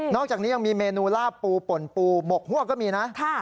อกจากนี้ยังมีเมนูลาบปูป่นปูหมกหัวก็มีนะ